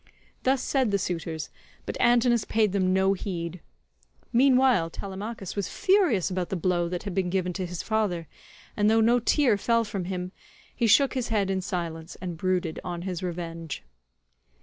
146 Thus said the suitors, but Antinous paid them no heed. Meanwhile Telemachus was furious about the blow that had been given to his father, and though no tear fell from him, he shook his head in silence and brooded on his revenge.